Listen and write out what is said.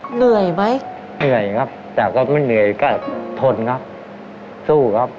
เหนื่อยไหมเหนื่อยครับแต่ก็ไม่เหนื่อยก็ทนครับสู้ครับ